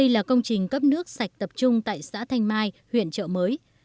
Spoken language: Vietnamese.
và công trình cấp nước sạch tập trung tại xã thanh mai huyện trợ mới